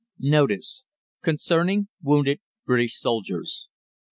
NOTICE. CONCERNING WOUNDED BRITISH SOLDIERS.